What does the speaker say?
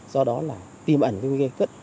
do đó là tìm ẩn gây cất